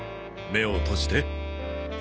目を閉じて。